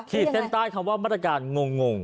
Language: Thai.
เส้นใต้คำว่ามาตรการงง